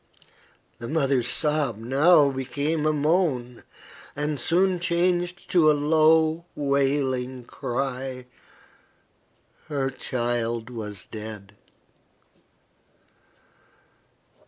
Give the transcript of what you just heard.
The mother's sob now became a moan, and soon changed to a low, wailing cry. Her child was dead.